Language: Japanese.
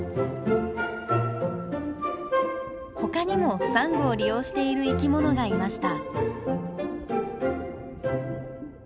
ほかにもサンゴを利用している生きものがいました。